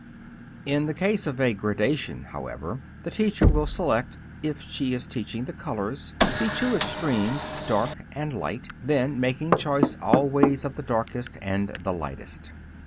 In the case of a gradation, however, the teacher will select (if she is teaching the colors) the two extremes "dark" and "light," then making choice always of the "darkest" and the "lightest."